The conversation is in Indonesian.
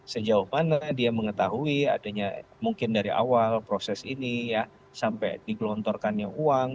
sejauh mana dia mengetahui adanya mungkin dari awal proses ini ya sampai digelontorkannya uang